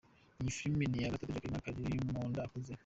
Iyi filime ni iya gatatu Jacqueline Kalimunda akoze.